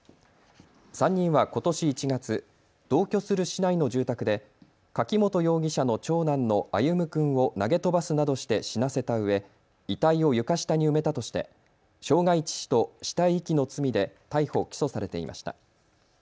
３人はことし１月、同居する市内の住宅で柿本容疑者の長男の歩夢君を投げ飛ばすなどして死なせたうえ遺体を床下に埋めたとして傷害致死と死体遺棄の罪で逮捕・起訴されていました。